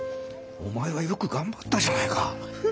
お前はよく頑張ったじゃないか！